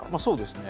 そうですね。